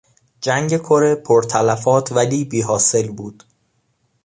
جنگ کره پرتلفات ولی بیحاصل بود.